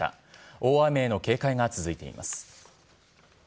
大雨への警戒が続いています。